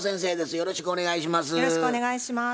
よろしくお願いします。